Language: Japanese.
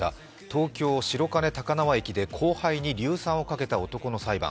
東京・白金高輪駅で後輩に硫酸をかけた男の裁判。